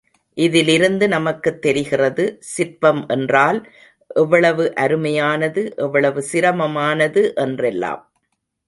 இதிலிருந்து நமக்குத் தெரிகிறது சிற்பம் என்றால் எவ்வளவு அருமையானது, எவ்வளவு சிரமமானது என்றெல்லாம்.